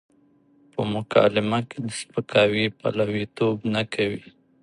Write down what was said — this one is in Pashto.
په مکالمه کې د سپکاوي پلويتوب نه کوي.